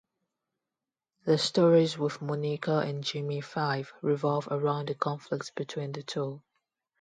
The stories with Monica and Jimmy Five revolve around the conflict between the two.